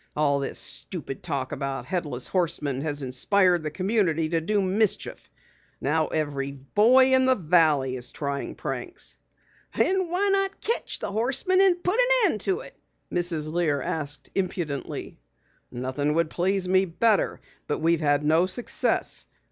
All this stupid talk about Headless Horsemen has inspired the community to do mischief. Now every boy in the Valley is trying pranks." "Then why not ketch the Horseman and put an end to it?" Mrs. Lear asked impudently. "Nothing would please me better. But we've had no success.